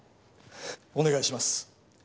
お願いします！